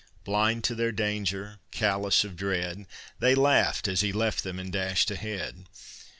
Blind to their danger, callous of dread, They laughed as he left them and dashed ahead.